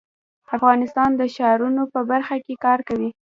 افغانستان د ښارونو په برخه کې کار کوي.